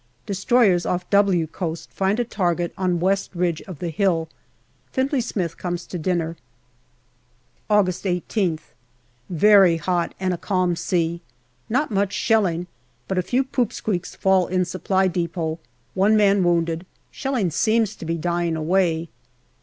Destroyers off " W" coast find a target on west ridge of the hill. Findlay Smith comes to dinner. August 13th. Very hot, and a calm sea. Not much shelling, but a few " poop squeaks " fall in Supply depot ; one man wounded. Shelling seems to be dying away.